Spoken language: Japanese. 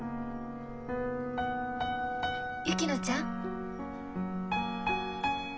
薫乃ちゃん駄目？